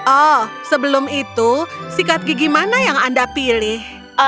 oh sebelum itu sikat gigi mana yang anda pilih